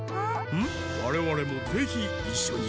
われわれもぜひいっしょに。